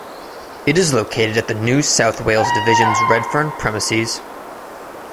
It is located at the New South Wales division's Redfern premises.